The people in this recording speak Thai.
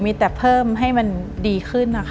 มีแต่เพิ่มให้มันดีขึ้นนะคะ